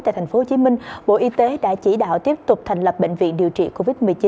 tại tp hcm bộ y tế đã chỉ đạo tiếp tục thành lập bệnh viện điều trị covid một mươi chín